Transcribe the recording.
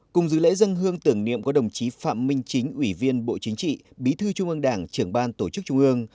cùng dự lễ dân hương tưởng niệm có đồng chí phạm minh chính ủy viên bộ chính trị bí thư trung ương đảng trưởng ban tổ chức trung ương